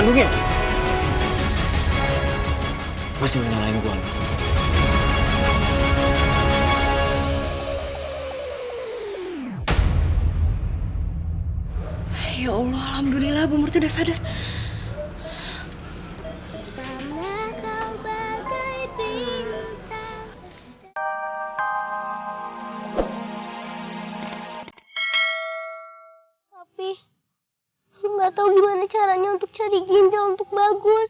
tapi enggak tahu gimana caranya untuk cari ginjal untuk bagus